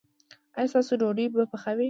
ایا ستاسو ډوډۍ به پخه وي؟